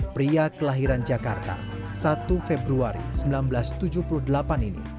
pria kelahiran jakarta satu februari seribu sembilan ratus tujuh puluh delapan ini